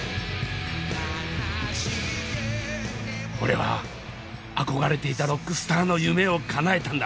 俺は憧れていたロックスターの夢をかなえたんだ。